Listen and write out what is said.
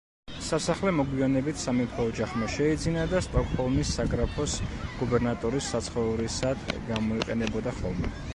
სასახლე მოგვიანებით სამეფო ოჯახმა შეიძინა და სტოკჰოლმის საგრაფოს გუბერნატორის საცხოვრისად გამოიყენებოდა ხოლმე.